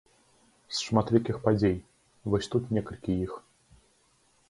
З шматлікіх падзей, вось тут некалькі іх.